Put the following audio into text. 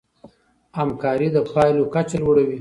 همکاري د پايلو کچه لوړوي.